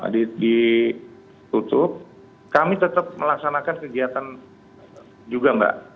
ditutup kami tetap melaksanakan kegiatan juga mbak